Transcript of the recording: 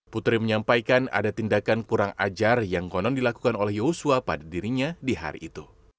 putri menyampaikan ada tindakan kurang ajar yang konon dilakukan oleh yosua pada dirinya di hari itu